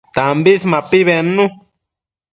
Tambis mapi bednu